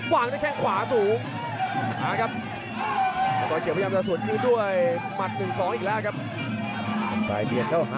วางได้แค่ขวาสูงนะครับ